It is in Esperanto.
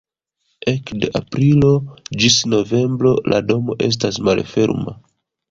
Ekde aprilo ĝis novembro la domo estas malferma.